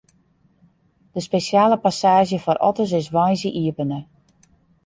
De spesjale passaazje foar otters is woansdei iepene.